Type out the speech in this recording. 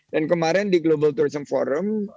dan kemarin di global tourism forum